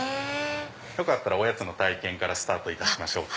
よかったらおやつの体験からスタートいたしましょうか。